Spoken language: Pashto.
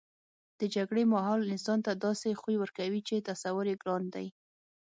د جګړې ماحول انسان ته داسې خوی ورکوي چې تصور یې ګران دی